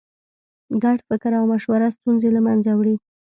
ګډ فکر او مشوره ستونزې له منځه وړي.